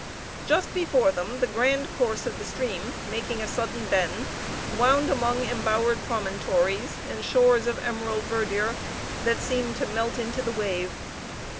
Just before them the grand course of the stream, making a sudden bend, wound among embowered promontories and shores of emerald verdure that seemed to melt into the wave.